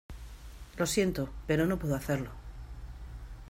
lo siento, pero no puedo hacerlo